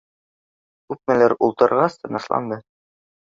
Күпмелер ултырғас, тынысланды